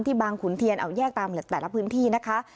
บางขุนเทียนเอาแยกตามแต่ละพื้นที่นะคะ